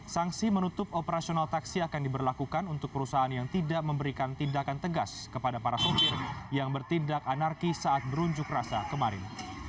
sanksi menutup operasional taksi akan diberlakukan untuk perusahaan yang tidak memberikan tindakan tegas kepada para sopir yang bertindak anarki saat berunjuk rasa kemarin